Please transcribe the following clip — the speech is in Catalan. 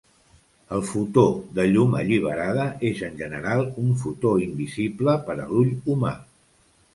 El fotó de llum alliberada és en general un fotó invisible per a l'ull humà.